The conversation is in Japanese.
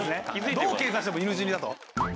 どう計算しても犬死にだと。